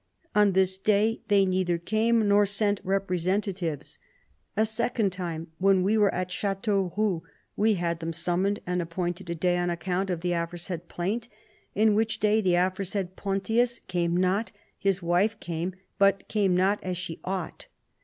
On this day they neither came nor sent representatives. A / V THE ADVANCE OF THE MONARCHY 133 second time, when we were at Chateauroux, we had them summoned, and appointed a day on account of the aforesaid plaint, on which day the aforesaid Pontius came not ; his wife came, but came not as she ought.